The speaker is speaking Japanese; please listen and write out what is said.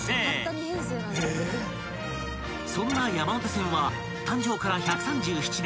［そんな山手線は誕生から１３７年］